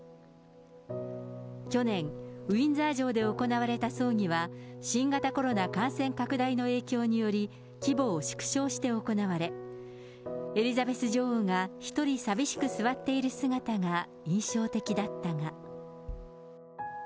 去年、ウインザー城で行われた葬儀は、新型コロナ感染拡大の影響により、規模を縮小して行われ、エリザベス女王が一人寂しく座っている姿が印象的だったが。